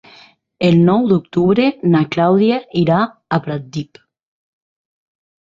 El nou d'octubre na Clàudia irà a Pratdip.